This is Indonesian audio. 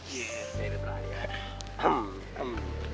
iya serius raya